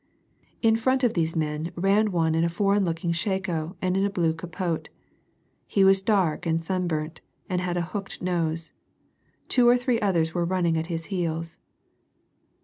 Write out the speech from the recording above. In front of these men ran one in a foreign looking shako and in a blue capote. He was dark and sunburnt, and had a hooked nose. Two or three others were running at his heels.